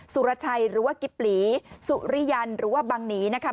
สุรชัยหรือว่ากิบหลีสุริยันหรือว่าบังหนีนะคะ